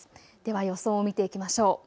では予想を見ていきましょう。